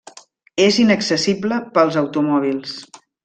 És inaccessible pels automòbils.